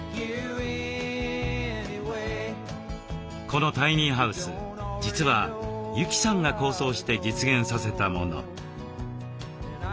このタイニーハウス実は由季さんが構想して実現させたもの。